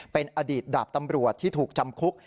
เป็นอดีตดาบตำรวจที่ถูกจำคุก